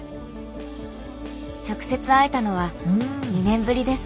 直接会えたのは２年ぶりです。